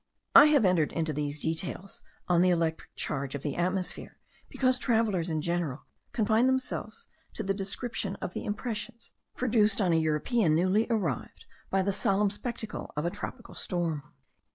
I have entered into these details on the electric charge of the atmosphere because travellers in general confine themselves to the description of the impressions produced on a European newly arrived by the solemn spectacle of a tropical storm.